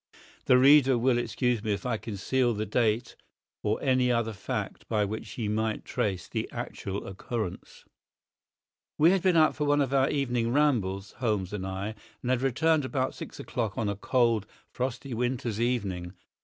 The reader will excuse me if I conceal the date or any other fact by which he might trace the actual occurrence. We had been out for one of our evening rambles, Holmes and I, and had returned about six o'clock on a cold, frosty winter's evening.